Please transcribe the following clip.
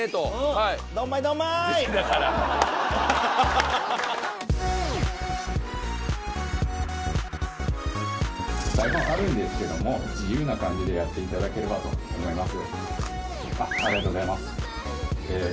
台本あるんですけども自由な感じでやって頂ければと思います。